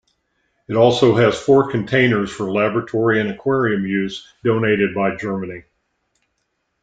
It also has four containers for laboratory and aquarium use donated by Germany.